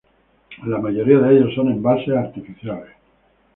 La mayoría de ellos son embalses artificiales.